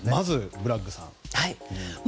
ブラッグさん。